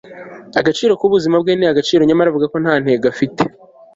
agaciro k'ubuzima bwe ni gaciro, nyamara avuga ko nta ntego afite